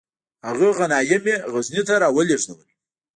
هغه غنایم یې غزني ته را ولیږدول.